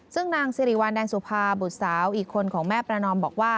ซึ่งนางสิริวัลแดงสุภาบุตรสาวอีกคนของแม่ประนอมบอกว่า